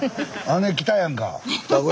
姉来たやんか。